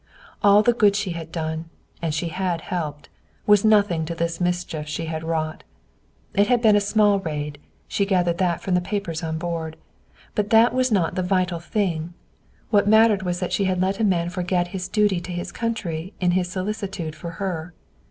All the good she had done and she had helped was nothing to this mischief she had wrought. It had been a small raid. She gathered that from the papers on board. But that was not the vital thing. What mattered was that she had let a man forget his duty to his country in his solicitude for her.